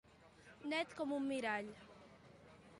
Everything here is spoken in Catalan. Net com un mirall.